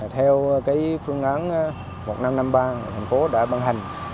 theo cái phương án một nghìn năm trăm năm mươi ba thành phố đã ban hành